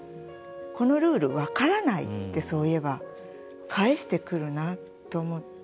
このルール分からない」ってそういえば返してくるなと思って。